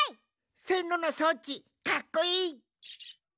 せんろのそうちかっこいい！